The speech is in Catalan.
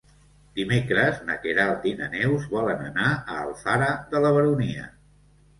Dimecres na Queralt i na Neus volen anar a Alfara de la Baronia.